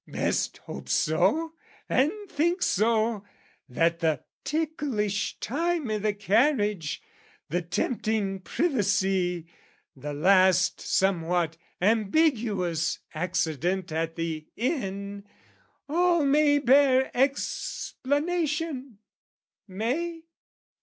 Best hope so and think so, that the ticklish time I' the carriage, the tempting privacy, the last Somewhat ambiguous accident at the inn, All may bear explanation: may?